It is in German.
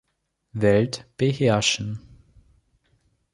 Welt beherrschen.